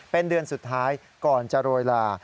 เป็นเดือนสุดท้ายก่อนจะโรยลา